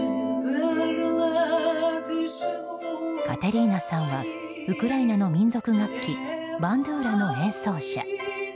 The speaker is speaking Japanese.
カテリーナさんはウクライナの民族楽器バンドゥーラの演奏者。